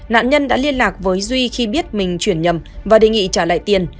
nạn nhân đã liên lạc với duy khi biết mình chuyển nhầm và đề nghị trả lại tiền